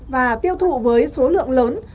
và tiêu thụ với số lượng lớn